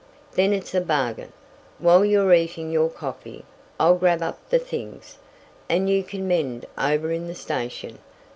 "Then it's a bargain. While you're eatin' your coffee, I'll grab up the things, and you kin mend over in the station.